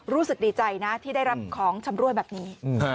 รู้สึกดีใจนะที่ได้รับของชำรวยแบบนี้